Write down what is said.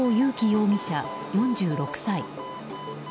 容疑者、４６歳。